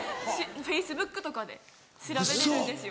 Ｆａｃｅｂｏｏｋとかで調べれるんですよ。